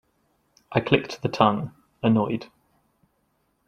I clicked the tongue, annoyed.